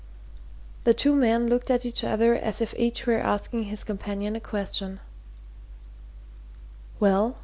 The two men looked at each other as if each were asking his companion a question. "Well?"